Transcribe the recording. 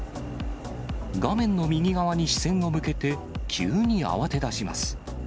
画面の右側に視線を向けて、急に慌てだします。